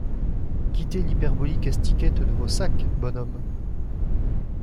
Quittez l’hyperbolicque estiquette de vos sacs, bon homme !